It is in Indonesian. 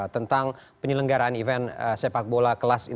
tentang penyelenggaraan event sepak bola kelas